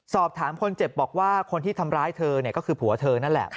สอบถามคนเจ็บบอกว่าคนที่ทำร้ายเธอก็คือผัวเธอนั่นแหละ